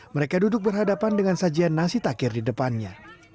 mereka duduk berhadapan dengan sajian nasi takir di depannya